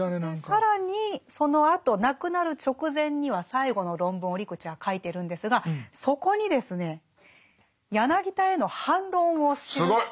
更にそのあと亡くなる直前には最後の論文を折口は書いてるんですがそこにですね柳田への反論を記しているんですね。